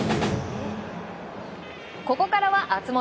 ここからは熱盛。